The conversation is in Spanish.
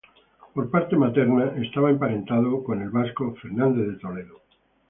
Por parte materna estaba emparentado con el Vasco Fernández de Toledo.